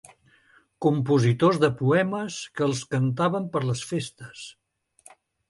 Compositors de poemes que els cantaven per les festes.